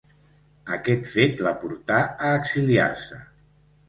Aquest fet la portà a exiliar-se.